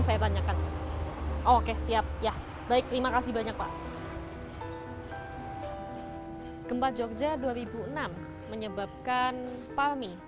berbanyak banyak oke siap ya baik terima kasih banyak pak kembar jogja dua ribu enam menyebabkan parmi